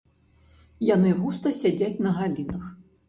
Яны густа сядзяць на галінах.